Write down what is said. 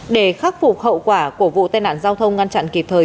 để khắc phục hậu quả của vụ tai nạn giao thông ngăn chặn kịp thời